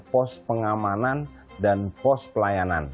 pos pengamanan dan pos pelayanan